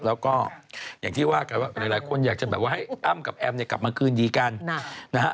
แล้วก็อย่างที่ว่าหลายคนอยากจะให้อ้ำกับแอมกลับมาคืนดีกัน